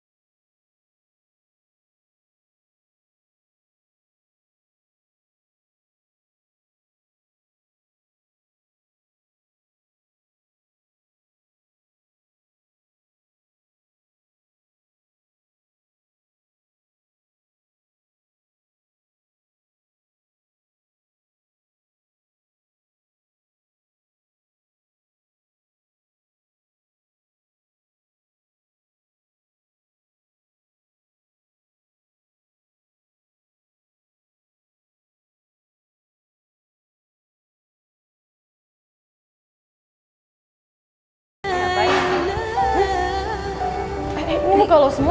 yalah ini muka lo semua